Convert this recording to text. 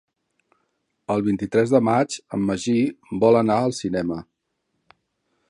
El vint-i-tres de maig en Magí vol anar al cinema.